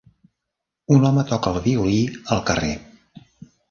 Un home toca el violí al carrer.